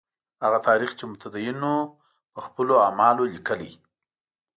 هغه تاریخ چې متدینو یې په خپلو اعمالو لیکلی.